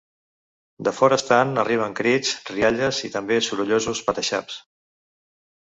De fora estant arriben crits, rialles i també sorollosos pataxaps.